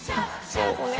「そうね